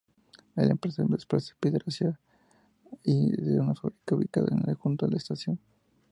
La empresa desplaza piedra hacia y desde una fábrica ubicada junto a la estación.